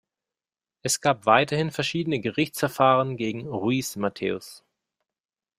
Es gab weiterhin verschiedene Gerichtsverfahren gegen Ruiz Mateos.